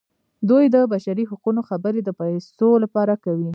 دوی د بشري حقونو خبرې د پیسو لپاره کوي.